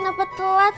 nggak aku ngerti